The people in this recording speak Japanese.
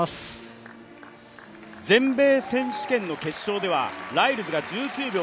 全米選手権の決勝ではライルズが１９秒６７で